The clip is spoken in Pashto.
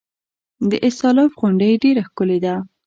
د استالف غونډۍ ډیره ښکلې ده